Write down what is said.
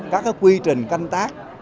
các quy trình canh tác